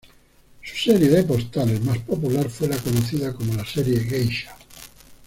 Su serie de postales más popular fue la conocida como la serie 'Geisha'.